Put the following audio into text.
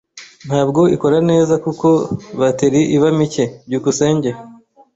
Ntabwo ikora neza kuko bateri iba mike. byukusenge